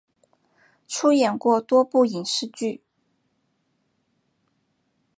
出演过多部影视剧。